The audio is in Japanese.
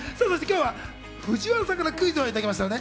今日は藤原さんからクイズをいただきました。